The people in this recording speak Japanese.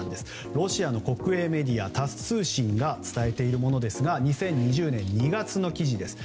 ロシアの国営メディアタス通信が伝えているものですが２０２０年２月の記事です。